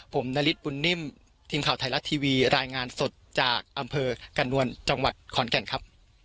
ผมนาริสบุญนิ่มทีมข่าวไทยรัฐทีวีรายงานสดจากอำเภอกระนวลจังหวัดขอนแก่นครับ